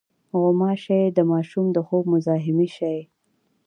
غوماشې د ماشوم د خوب مزاحمې شي.